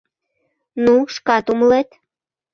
Ну, шкат умылет.